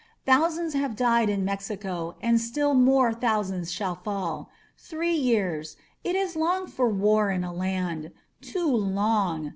Thousands have died in Mexico, and still more thousands shall fall. Three years — ^it is long for war in a land. Too long!"